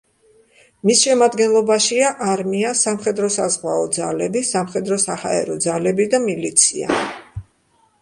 მის შემადგენლობაშია არმია, სამხედრო-საზღვაო ძალები, სამხედრო-საჰაერო ძალები და მილიცია.